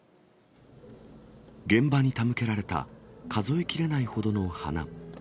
現場に手向けられた数えきれないほどの花。